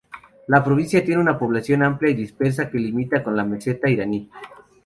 La provincia tiene una población amplia y dispersa que limita con la meseta iraní.